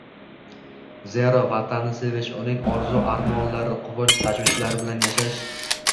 Zero, Vatanni sevish, uning orzu-armonlari, quvonch-tashvishlari bilan yashash